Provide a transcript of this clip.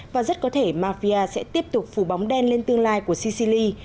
và rất có thể mafia sẽ tiếp tục phủ bóng đen lên tương lai của ccili